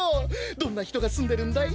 どんなひとがすんでるんだい？